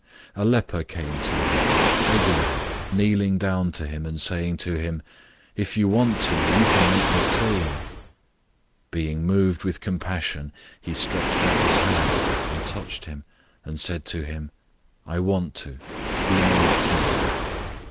001:040 A leper came to him, begging him, kneeling down to him, and saying to him, "If you want to, you can make me clean." 001:041 Being moved with compassion, he stretched out his hand, and touched him, and said to him, "I want to. Be made clean."